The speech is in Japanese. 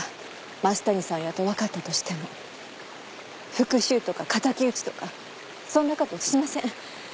増谷さんやと分かったとしても復讐とか敵討ちとかそんなことうちしません。